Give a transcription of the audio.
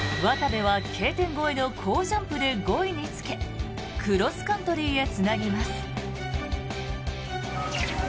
渡部はＫ点越えの好ジャンプで５位につけクロスカントリーへつなぎます。